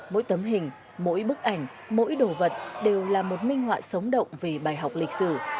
mỗi tấm hình mỗi bức ảnh mỗi đồ vật đều là một minh họa sống động về bài học lịch sử